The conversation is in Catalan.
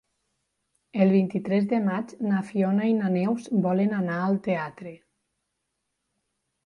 El vint-i-tres de maig na Fiona i na Neus volen anar al teatre.